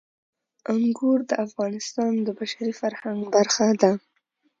انګور د افغانستان د بشري فرهنګ برخه ده.